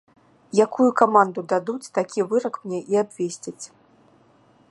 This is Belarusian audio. Якую каманду дадуць, такі вырак мне і абвесцяць.